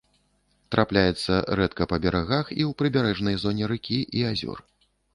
Трапляецца рэдка па берагах і ў прыбярэжнай зоне рэкі і азёр.